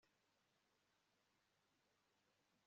Injangwe yanjye izakunda ibi